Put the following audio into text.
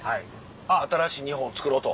新しい日本つくろうと。